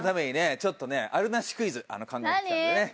ちょっとねあるなしクイズ考えてきたのでね。